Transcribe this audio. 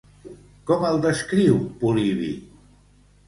Com el descriu Polibi?